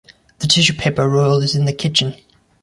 The tissue paper roll is in the kitchen.